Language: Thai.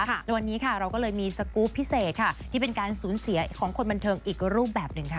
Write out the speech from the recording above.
และวันนี้ค่ะเราก็เลยมีสกรูปพิเศษค่ะที่เป็นการสูญเสียของคนบันเทิงอีกรูปแบบหนึ่งค่ะ